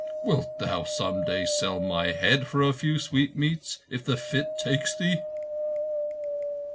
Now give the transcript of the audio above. "Wilt thou some day sell my head for a few sweetmeats if the fit takes thee?"